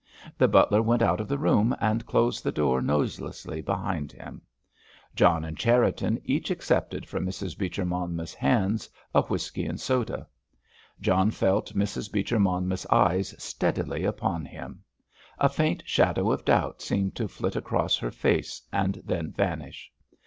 The butler went out of the room and closed the door noiselessly behind him. John and Cherriton each accepted from Mrs. Beecher Monmouth's hands a whisky and soda. John felt Mrs. Beecher Monmouth's eyes steadily upon him. A faint shadow of doubt seemed to flit across her face and then vanish.